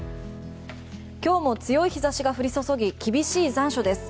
今日も強い日差しが降り注ぎ厳しい残暑です。